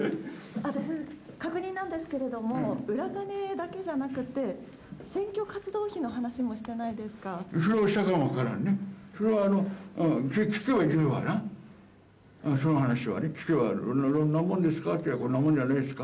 確認なんですけれども、裏金だけじゃなくて、選挙活動費の話もしてないですか。